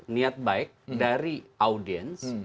niat baik dari audiens